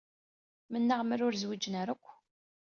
Mennaɣ mer ur zwiǧeɣ ara akk.